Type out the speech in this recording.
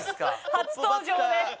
初登場で。